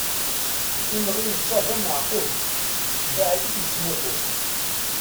Imɣi n ṣṣaba maɛqul, mbaɛid i d-yettmuqul.